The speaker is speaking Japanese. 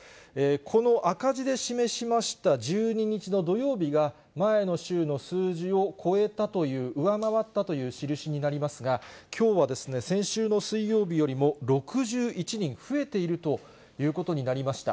この赤字で示しました１２日の土曜日が、前の週の数字を超えたという、上回ったという印になりますが、きょうは先週の水曜日よりも６１人増えているということになりました。